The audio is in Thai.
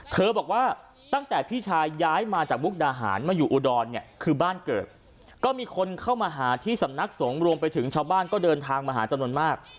บอกว่าตั้งแต่พี่ชายย้ายมาจากมุกดาหารมาอยู่อุดรเนี่ยคือบ้านเกิดก็มีคนเข้ามาหาที่สำนักสงฆ์รวมไปถึงชาวบ้านก็เดินทางมาหาจำนวนมาก